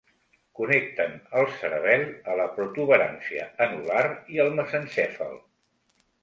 Connecten el cerebel a la protuberància anular i el mesencèfal.